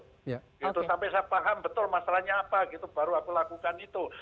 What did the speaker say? gitu sampai saya paham betul masalahnya apa gitu baru aku lakukan itu